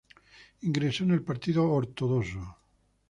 Ingresó en el Partido Ortodoxo.